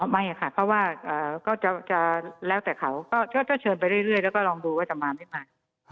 ไม่ค่ะเพราะว่าก็จะแล้วแต่เขาก็จะเชิญไปเรื่อยแล้วก็ลองดูว่าจะมาไม่มา